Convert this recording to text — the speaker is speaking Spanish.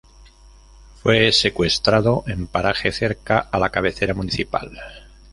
Fue secuestrado en paraje cerca a la cabecera municipal.